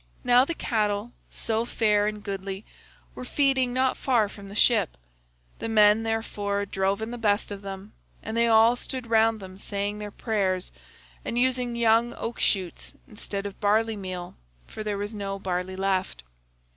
Now the cattle, so fair and goodly, were feeding not far from the ship; the men, therefore, drove in the best of them, and they all stood round them saying their prayers, and using young oak shoots instead of barley meal, for there was no barley left.